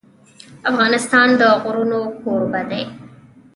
افغانستان د غرونه کوربه دی.